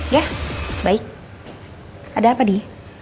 ya baik ada apa di